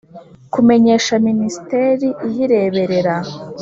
Kumenyesha minisiteri iyireberera